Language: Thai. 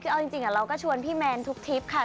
คือเอาจริงเราก็ชวนพี่แมนทุกทริปค่ะ